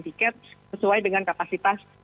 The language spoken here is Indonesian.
tiket sesuai dengan kapasitas